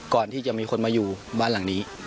ก่อนที่จะมีคนมาอยู่บ้านหลังนี้